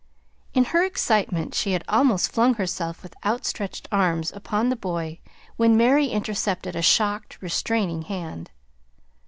In her excitement she had almost flung herself with outstretched arms upon the boy when Mary intercepted a shocked, restraining hand.